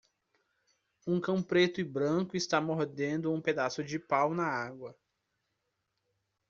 Um cão preto e branco está mordendo um pedaço de pau na água